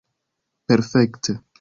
perfekte